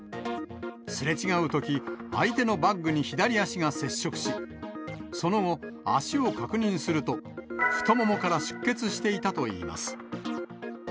すれ違うとき、相手のバッグに左足が接触し、その後、足を確認すると、太ももから出血していたといいます。